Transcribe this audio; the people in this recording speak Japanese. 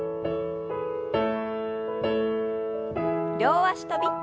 両脚跳び。